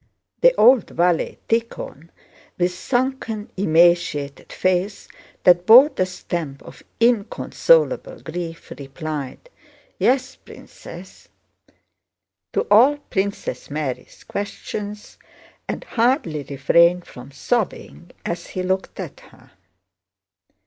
The old valet Tíkhon, with sunken, emaciated face that bore the stamp of inconsolable grief, replied: "Yes, Princess" to all Princess Mary's questions and hardly refrained from sobbing as he looked at her.